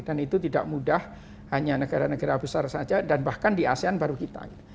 dan itu tidak mudah hanya negara negara besar saja dan bahkan di asean baru kita